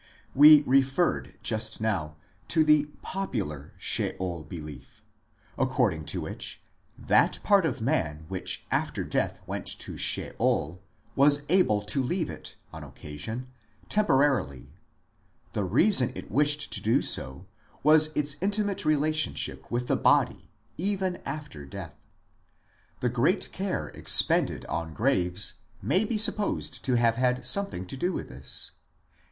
We referred just now to the " popular " Sheol belief, accord ing to which that part of man which after death went to Sheol was able to leave it, on occasion, temporarily ; the reason it wished to do so was its intimate relationship with the body, even after death. The great care expended on graves may be supposed to have had something to do with this.